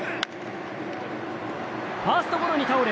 ファーストゴロに倒れ